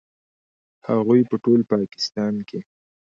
هغوی په ټول پاکستان کې